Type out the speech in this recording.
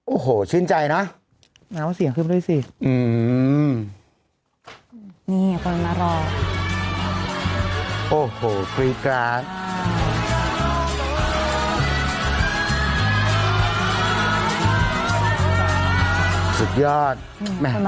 โอ้โหชื่นใจนะแม้ว่าเสียงขึ้นไปด้วยสิอืมนี่คนมารอโอ้โหสุดยอดแม่ง